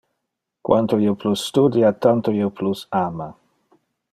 Quanto io plus studia, tanto io plus ama.